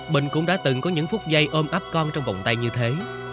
bình cũng đã từng có những phút giây ôm áp con trong vòng tay như thế